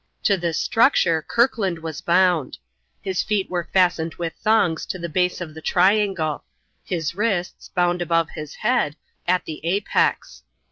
To this structure Kirkland was bound. His feet were fastened with thongs to the base of the triangle; his wrists, bound above his head, at the apex.